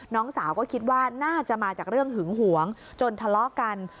น้องสาวก็คิดว่าน่าจะมาจากเรื่องหึงหวงจนทะเลาะกัน